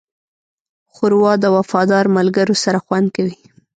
ښوروا د وفادار ملګرو سره خوند کوي.